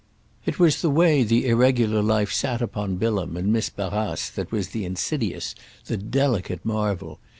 It was the way the irregular life sat upon Bilham and Miss Barrace that was the insidious, the delicate marvel.